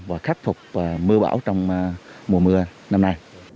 và khắc phục mưa bão trong mùa mưa năm nay